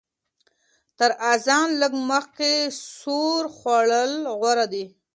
تر اذان لږ مخکې سحور خوړل غوره دي.